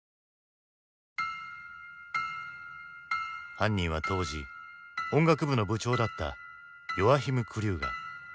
犯人は当時音楽部の部長だったヨアヒム・クリューガ。